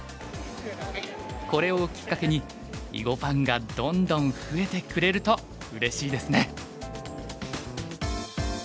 これをきっかけに囲碁ファンがどんどん増えてくれるとうれしいですね。